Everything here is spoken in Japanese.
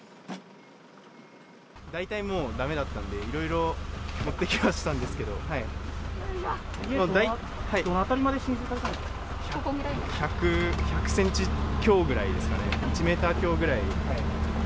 大体もう、だめだったんで、いろいろ持ってきましたんですけどの辺りまで浸水されたんで１００センチ強くらいですかね、１メーター強ぐらい。